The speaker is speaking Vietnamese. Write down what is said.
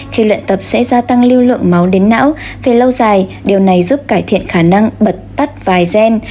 khi luyện tập sẽ gia tăng lưu lượng máu đến não về lâu dài điều này giúp cải thiện khả năng bật tắt vài gen